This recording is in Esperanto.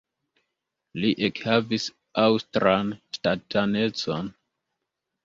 Li ekhavis aŭstran ŝtatanecon.